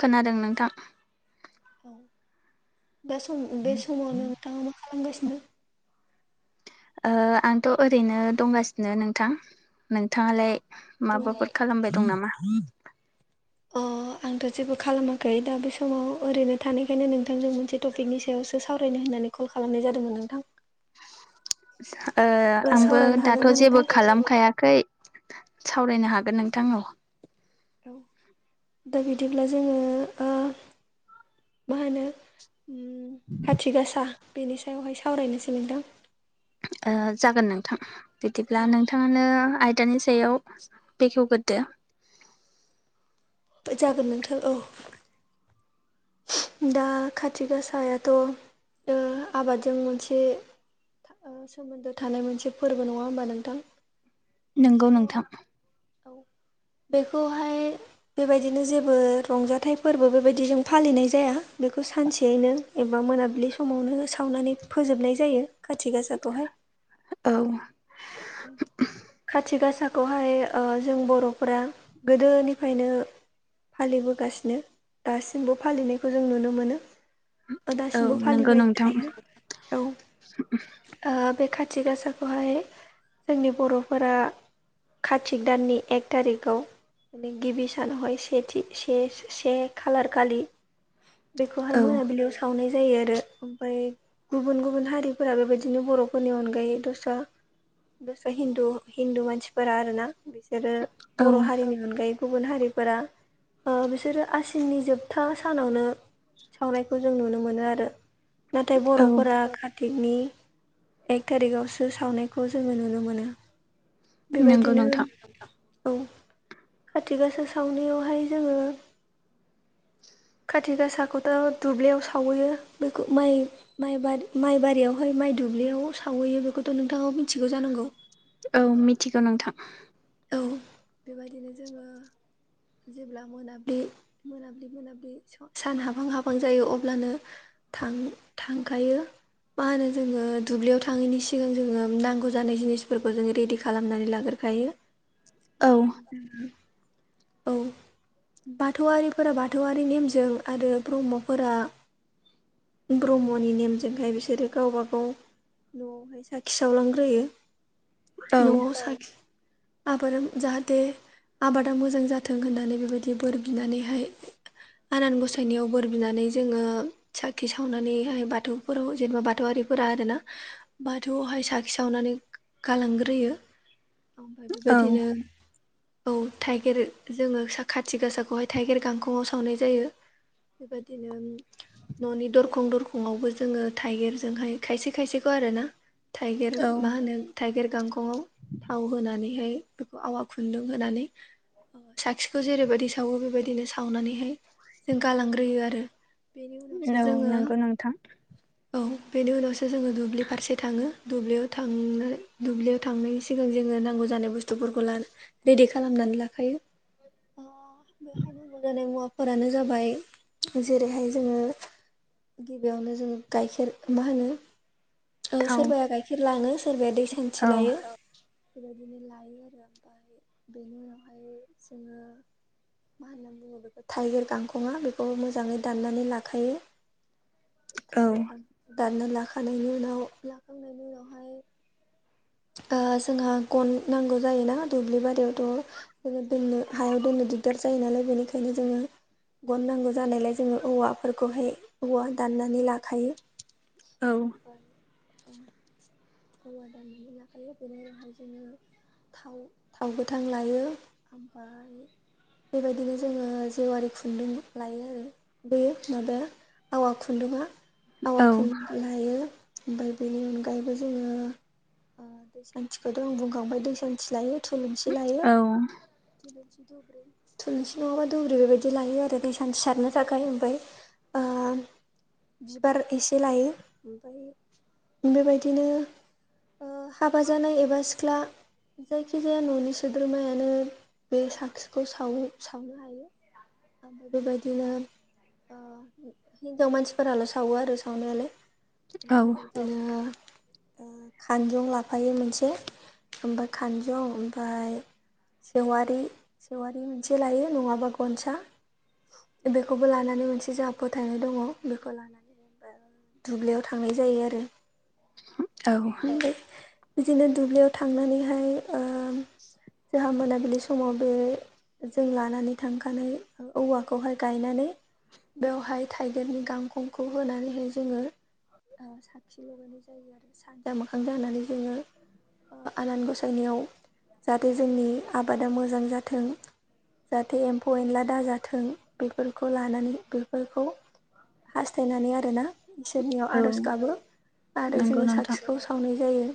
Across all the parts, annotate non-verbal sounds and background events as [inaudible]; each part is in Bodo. खोनादों नोंथां। दा सम बे समाव नोंथाङा मा खालामगासिनो? ओ आंथ' ओरैनो दंगासिनो नोंथां, नोंथाङालाय माबाफोर खालामबाय दं नामा? अ आंथ' जेबो खालामाखै दा बे समाव ओरैनो थानायखायनो नोंथांजों मोनसे टपिकनि सायावसो सावरायनो होननानै कल खालामनाय जादोंमोन नोंथां ओ आंबो सावरायनो हागोन दाथ' ना नोंथां? जेबो खालामखायाखै सावरायनो हागोन नोंथां औ दा बिदिब्ला जोङो ओ मा होनो खाथि गासा बेनि सायावहाय सावरायनोसै नोंथां ओ जागोन नोंथां बिदिब्ला औ नोंथाङानो आयदानि सायाव बेखेवगोरदो जागोन नोंथो औ दा खाथि गासायाथ' आबादजों मोनसे सोमोन्दो थानाय मोनसे फोरबो नङा होमबा नोंथां? नोंगौ नोंथां औ बेखौहाय बेबायदिनो जेबो रंजाथाइ फोरबो बेबायदिजों फालिनाय जाया बेखौ सानसेयैनो एबा मोनाबिलि समावनो सावनानै फोजोबनाय जायो खाथि गासाखौहाय औ [inaudible] खाथि गासाखौहाय जों बर'फोरा गोदोनिफ्रायनो फालिबोगासिनो दासिमबो फालिनायखौ जों नुनो मोनो बा औ दासिमबो नंगौ फालिबाय नोंथां थायो औ बे खाथि गासाखौहाय जोंनि बर'फोरा कतिक दाननि एक थारिखाव माने गिबि सानावहाय सेथि से से खालार खालि बेखौहाय औ मोनाबिलियाव सावनाय जायो आरो ओमफ्राय गुबुन गुबुन हारिफोरा बेबायदिनो बर'फोरनि अनगायै दस्रा दस्रा हिन्दु हिन्दु मानसिफोरा आरोना बिसोरो औ बर' हारिनि नि अनगायै गुबुन हारिफोरा बिसोरो आसिननि जोबथा सानावनो सावनायखौ जों नुनो मोनो आरो नाथाय औ बर'फोरा कातिकनि एक थारिखावसो सावनाय खौ जोङो नुनो मोनो नंगौ बेबायदिनो नोंथां औ खाथि गासा सावनायावहाय जोङो [inaudible] खाथि गासाखौथ' दुब्लियाव सावहैयो बेखौ माइ माइ बारि माइ बारियावहाय माइ दुब्लियाव सावहैयो बेखौथ' नोंथाङाव मिथिगौ जानांगौ। औ मिथिगौ नोंथां। औ बेबायदिनो जोङो जेब्ला मोनाब्लि मोनाब्लि मोना सान हाबहां हाबहां जायो अब्लानो थां थांखायो। मा होनो जोङो दुब्लियाव थाङैनि सिगां जोङो नांगौ जानाय जिनिसफोरखौ जोङो रेडि खालामनानै लाग्रोखायो औ बेबायदिनो [unintelligible] औ बाथौआरिफोरा बाथौआरि नेमजों आरो ब्रह्मफोरा ब्रह्मनि नेमजोंहाय बिसोरो गावबा गाव न'आवहाय साखि सावलांग्रोयो औ न'आव साखि आबादा जाहाथे आबादा मोजां जाथों होननानै बेबायदि बोर बिनानैहाय आनान गसायनायाव बोर बिनानै जोङो साखि सावनानैहाय बाथौफोराव जेनेबा बाथौआरिफोरा आरोना बाथौआवहाय साखि सावनानै गालांग्रोयो ओमफ्राय औ बेबायदिनो औ थाइगिर जोङो सा खाथि गासाखौहाय थाइगेर गांखंआव सावनाय जायो। बेबादिनो उम न'नि दरखं दरखंआवबो जोङो थाइगिरजोंहाय खायसे खायसेखौ आरो ना। थाइगेर मा होनो थाइगिर गांखंआव थाव होनानै बेहाय बेखौ आवा खुन्दुं होनानै साथिखौ जेरैबायदि सावो बेबायदिनो सावनानैहाय जों गालांग्रोयो आरो। बेनि उनावसो औ जोङो नंगौ नोंथां औ बेनि उनावसो जोङो दुब्लि फारसे थाङो दुब्लियाव थांनानै दुब्लियाव थांनायनि सिगां जोंनो नांगौ जानाय बुस्तुफोरखौ लान रेडि खालामनानै लाखायो। बेवहाय नांगौ जानाय मुवाफोरानो जाबाय जेरैहाय जोङो गिबियावनो जोङो गाइखेर मा होनो औ थाव सोरबाया गाइखेर लाङो सोरबाया दै सान्थि औ लायो बेबायदिनो ला लायो आरो आमफ्राय बेनि उनावहाय जोङो मा होनो बुङो बेखौ थाइगिर गांखङा बेखौबो मोजाङै दाननानैलाखायो। औ थाइगिर गांखं दानना लाखानायनि उनाव लाखांनायनि उनावहाय ओ जोंहा गन नांगौ जायोना दुब्लि बारियावथ' जोङो दोननो हायाव दोननो दिगदार जायो नालाय बेनिखायनो जोङो गन नांगौ जानायलाय जोङो औवाफोरखौहाय औवा दाननानै लाखायो। औ। ओमफ्राय औवा औवा दाननानै लाखायो बेनि उनावहाय जोङो थाव थाव गोथां लायो आमफा [unintelligible] बेबायदिनो जोङो जेवारि खुन्दुं लायो आरो बैयो माबाया आवा खुन्दुङा आवा औ खुन्दुं लायो ओमफाय बेनि अनगायैबो जोङो ओ दै सान्थिखौथ' आं बुंखांबाय दै सान्थि लायो। थुलुंसि लायो औ थुलुंसि दु ब्रि थुलुंसि नङाबा दुब्रि बेबायदि लायो आरो दै सान्थि सारनो थाखाय ओमफ्राय ओ [inaudible] बिबार एसे लायो ओमफ्राय बेबायदिनो ओ हाबा जानाय एबा सिख्ला जायखिजाया न'नि सोद्रोमायानो बे साटिखौ साव सावनो हायो। आमफाय बेबायदिनो ओ अ हिनजाव मानसिफोराल' सावो आरो सावनायालाय औ ओमफ्राय बेबायदिनो ओ खानजं लाफायो मोनसे ओमफ्राय खानजं ओमफ्राय सेवारि सेवारि मोनसे लायो नङाबा गनसा। बेखौबो लानानै मोनसे जोंहा फोथायनाय दङ। बेखौ लानानै दुब्लियाव थांनाय जायो आरो। औ उम बै जोङो दुब्लियाव थांनानैहाय ओम जोहा मोनाबिलि समाव बे जों लानानै थांखानाय ओ औवाखौहाय गायनानै बेवहाय थाइगिरनि गांखंखौ होनानैहाय जोङो औ साखि लगायनाय जायो आरो सान्जा मोखां जानानै जोङो ओ आनान गस - [unintelligible] जाहाथे जोंनि आबादा मोजां जाथों जाहाथे एम्फौ एनला दाजाथों बेफोरखौ लानानै बेफोरखौ हास्थायनानै आरोना इसोरनियाव औ आर'ज गाबो आरो नंगौ जोङो नोंथां साटिखौ सावनाय जायो।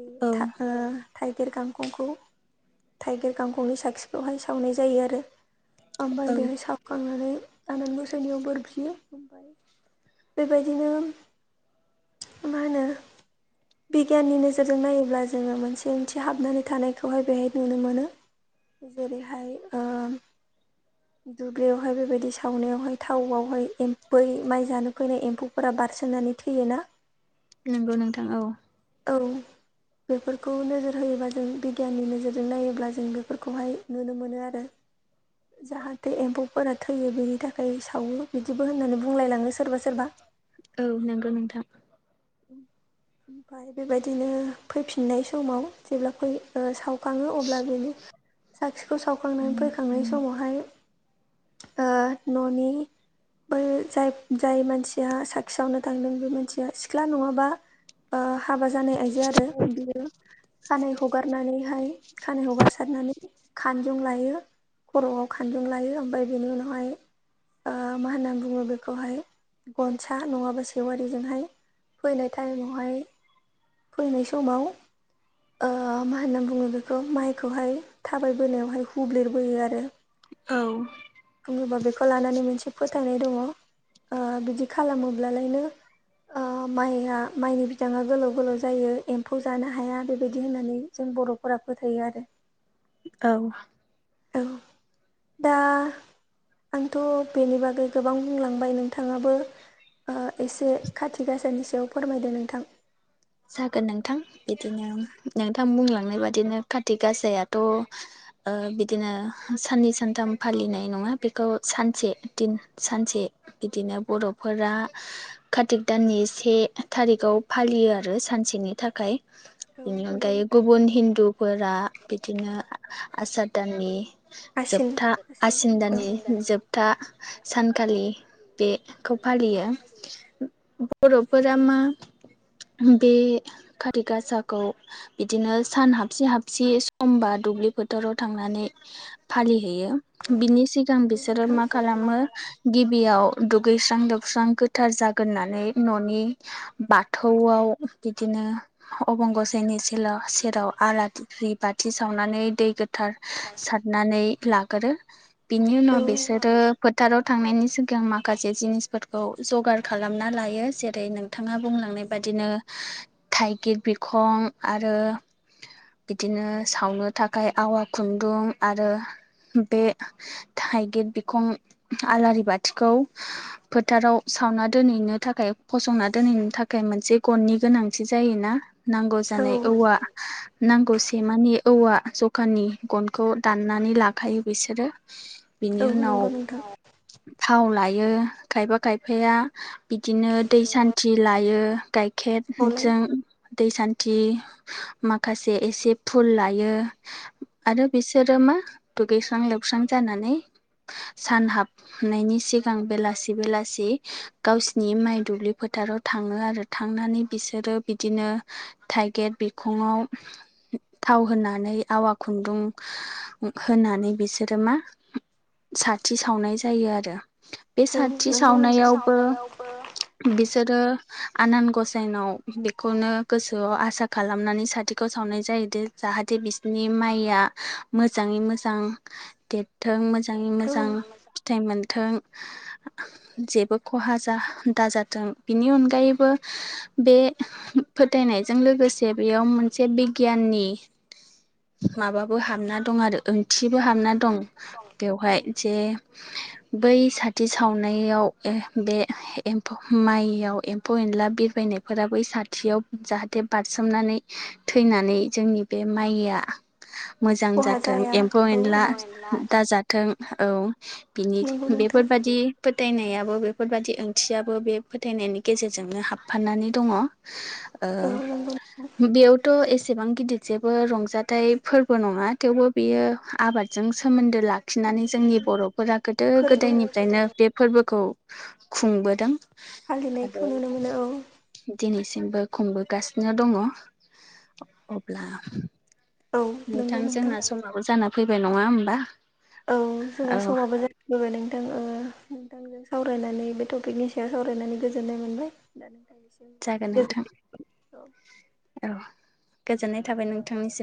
बे औ था ओ थाइगिर गांखंखौ थाइगिर गांखंनि साखिखौहाय सावनाय जायो आरो। ओमफ्राय औ बेहाय सावखांनानै आनान गसाइनियाव बोर बियो ओमफ्राय बेबायदिनो मा होनो बिगियाननि नोजोरजों नायोब्ला जोङो मोनसे ओंथि हाबनानै थानायखौहाय बेहाय नुनो मोनो। जेरैहाय ओम दुब्लियावहाय बेबायदि सावनायावहाय थावआवहाय एम्फै माइ जानो फैनाय एम्फौ फोरा बारसोननानै थैयोना? नोंगौ नोंथां औ। औ बेफोरखौ नोजोर होयोबा जों बिगियाननि नोजोरजों नायोब्ला जों बेफोरखौहाय नुनो मोनो आरो। जाहाथे एम्फौफोरा थैयो बेनि थाखाय सावो बिदिबो होननानै बुंलायलाङो सोरबा सोरबा। औ नोंगो नोंथां। फाय बेबायदिनो फैफिननाय समाव जेब्ला फै ओ साव खाङो अब्ला जोङो साखिखौ सावखांनानै फैखांनाय समावहाय ओ न'नि बै जाय जाय मानसिया साखि सावनो थांदों बे मानसिया सिख्ला नङाबा ओ हाबा जानाय आइजो आरो बियो खानाय हगारनानैहाय खानाय हगारसारनानै खानजं लायो। खर'आव खानजं लायो। ओमफाय बेनि उनावहाय ओ मा होनना बुङो बेखौहाय गनसा नङाबा सेवारिजोंहाय फैनाय टायमावहाय फैनाय समाव ओ मा होनना बुङो बेखौ माइखौहाय थाबायबोनायावहाय हुब्लेर बोयो आरो। औ बुङोबा बेखौ लानानै मोनसे फोथायनाय दङ। ओ बिदि खालामो ब्लालायनो ओ माइआ माइनि बिदाङा गोलाव गोलाव जायो। एम्फौ जानो हाया बेबायदि होननानै जों बर'फोरा फोथायो आरो। औ औ दा आंथ' बेनि बागै गोबां बुंलांबाय नोंथाङाबो ओ एसे खाथि गासानि सायाव फोरमायदों नोंथां। जागोन नोंथां। इदिनो नोंथां बुंलांनाय बादिनो काथि गासायाथ' ओ बिदिनो साननै सानथाम फालिनाय नङा बेखौ सानसे दिन सानसे बिदिनो बर'फोरा काथिक दाननि से थारिखाव फालियो आर रो सानसेनि थाखाय औ बेनि नंगौ अनगायै गुबुन हिन्दुफोरा बिदिनो आ-आसार दाननि जोबथा आसिन दाननि जोब दा सानखालि बेखौ फालियो। बर'फोरा मा बे काति गासाखौ बिदिनो सान हाबसे हाबसे समबा दुब्लि फोथाराव थांनानै फालिहैयो बिनि सिगां नंगौ बिसोरो नोंथां मा खालामो गिबियाव दुगैस्रां लोबस्रां गोथार जागोननानै न'नि बाथौ गआव बिदिनो अबंगसेनि सेराव आला दिफ्रि बाथि सावनानै दै गो फथार सारनानै लागोरो बिनि उनाव बिसोरो फोथाराव थांनायनि सिगां माखासे जिनिसफोरखौ जगार खालामना लायो जेरै नोंथाङा बुंलांनाय बादिनो थाइगिर बिखं आरो बिदिनो सावनो थाखाय आवा खुन्दुं आरो बे थाइगिर बिखं आलारि बाथिखौ फोथाराव सावना दोनहैनो थाखाय फसंना दोनहैनो थाख खाय मोनसे गननि गोनांथि जायोना? नांगौ जानाय औवा नांगौसे माने औवा ज'खानि गनखौ दाननानै लाखायो बिसोरो। बिनि उनाव थाव लायो, खायफा खायफाया बिदिनो दै सान्थि लायो गाइखेरजों दै सान्थि माखासे एसे फुल लायो आरो बिसोरो मा दुगैस्रां लबस्रां जानानै सान हाबनायनि सिगां बेलासि बेलासि गावसिनि माइ दुब्लि फोथाराव थाङो आरो थांनानै बिसोरो बिदिनो थाइगिर बिखङआव थाव होनानै आवा खुन्दुं होनानै बिसोरो मा साथि सावनाय जायो आरो बे साथि सावनायावबो बिसोरो आनान गसाइनाव बेखौनो गोसोआव आसा खालामनानै साथिखौ सावनाय जायोदि जाहाथे बिसोरनि माइया मोजाङै मोजां देत थों मोजाङै मोजां फिथाइ मोनथों जेबो खहा जा दाजाथों बिनि अनगै गायैबो बे फोथायनायजों लोगोसे बेयाव मोनसे बिगियाननि माबाबो हाबना दं आरो ओंथिबो हाबना दं बेवहाय जे बै साथि सावनायाव बे एम्फौ माइयाव फ' एनला बिरबायनायफोरा बै साथियाव जाहाथे बारसोमनानै थैनानै जोंनि बे माइया मोजां जाथों एम्फौ एनला दाजा थों औ बिनि नंगौ नोंथां बेफोरबादि फोथायनायाबो बेफोरबायादि ओंथियाबो बे फोथायनायनि गेजेरजोंनो हाबफानानै दङ ओ औ नंगौ बेयावथ' एसेबां गिदिर जेबो रंजाथाइ फोरबो नङा थेवबो बेयो आबाद जों सोमोन्दो लाखिनानै जोंनि बर'फोरा गोदो फोरबो गोदायनिफ्रायनो बे फोरबोखौ खुंबोदों फालिनायखौ आरो नुनो मोनो औ दिनैसिमबो खुंबोगासिनो दङ अब्ला औ नोंथां नंगौ जोंना समाबो जाना फैबाय नङा होमबा औ औ जोंहा समाबो जा गो नोंथां नोंथांजों सावरायनानै बे टपिकनि सायाव सावरायनानै गोजोननाय मोनबाय दा नों थांनोसै जागोन नोंथां औ गोजोननाय थाबाय नोंथांनिसिम